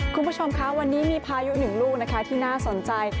คุณผู้ชมคะวันนี้มีพายุหนึ่งลูกนะคะที่น่าสนใจ